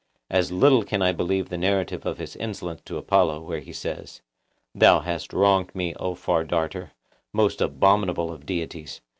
As little can I believe the narrative of his insolence to Apollo, where he says, 'Thou hast wronged me, O far darter, most abominable of deities.